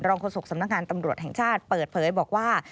รองคุณศุกร์สำนักงานตำรวจแห่งชาติเปิดเผยบอกว่า